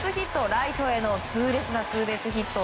ライトへの痛烈なツーベースヒット。